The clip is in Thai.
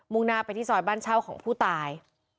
งหน้าไปที่ซอยบ้านเช่าของผู้ตาย